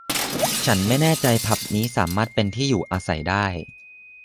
ฉันไม่แน่ใจผับนี้สามารถเป็นที่อยู่อาศัยได้